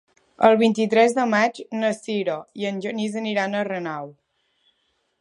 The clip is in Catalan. El vint-i-tres de maig na Sira i en Genís aniran a Renau.